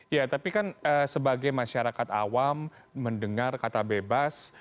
ya tapi kan sebagai masyarakat awam mendengar kata bebas